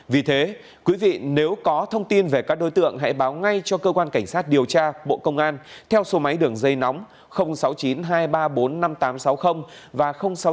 vì thế quý vị nếu có thông tin về các đối tượng hãy báo ngay cho cơ quan cảnh sát điều tra bộ công an theo số máy đường dây nóng sáu mươi chín hai trăm ba mươi bốn năm nghìn tám trăm sáu mươi và sáu mươi chín hai trăm ba mươi hai một nghìn sáu trăm sáu mươi